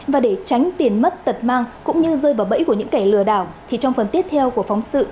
và để tránh tiền mất tật mang cũng như rơi vào bẫy của những kẻ lừa đảo thì trong phần tiếp theo của phóng sự